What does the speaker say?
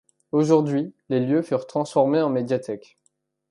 Aujourd'hui, les lieux furent transformés en médiathèque.